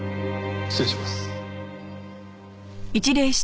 失礼します。